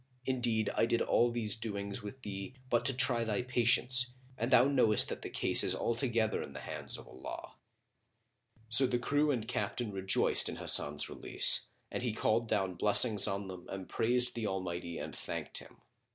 Indeed, I did all these doings with thee, but to try thy patience, and thou knowest that the case is altogether in the hands of Allah." So the crew and captain rejoiced in Hasan's release, and he called down blessings on them and praised the Almighty and thanked Him.